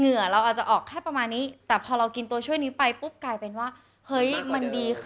ขึ้นอะไรอย่างเงี้ยค่ะซึ่งมันเวิร์ค